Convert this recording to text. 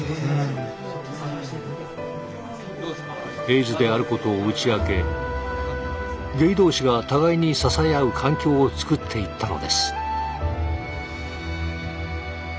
エイズであることを打ち明けゲイ同士が互いに支え合う環境をつくっていったのです。